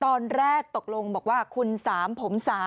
ตอนแรกตกลงบอกว่าคุณ๓ผม๓